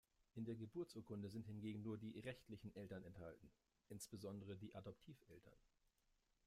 In der Geburtsurkunde sind hingegen nur die „rechtlichen Eltern“ enthalten, insbesondere die Adoptiveltern.